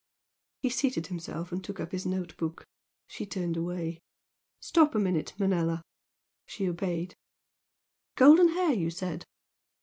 He seated himself and took up his note book. She turned away. "Stop a minute, Manella!" She obeyed. "Golden hair, you said?"